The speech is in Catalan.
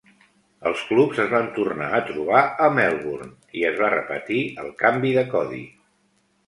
Els clubs es van tornar a trobar a Melbourne i es va repetir el canvi de codi.